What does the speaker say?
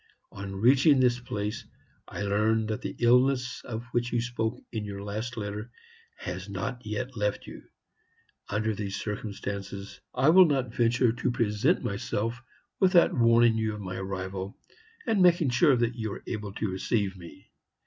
On reaching this place, I learn that the illness of which you spoke in your last letter has not yet left you. Under these circumstances, I will not venture to present myself without warning you of my arrival, and making sure that you are able to receive me.